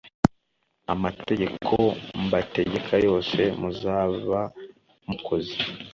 amategeko mbategeka yose muzaba mukoze